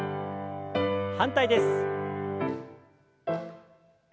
反対です。